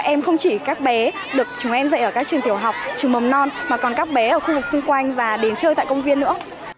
em không chỉ các bé được chúng em dạy ở các trường tiểu học trường mầm non mà còn các bé ở khu vực xung quanh và đến chơi tại công viên nữa